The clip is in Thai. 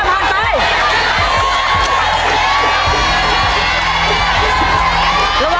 รับทราบรับทราบ